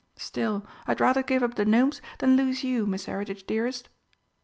Still, I'd rather give up the Gnomes than lose you, Miss Heritage, dearest!"